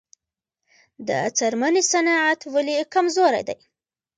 د څرمنې صنعت ولې کمزوری دی؟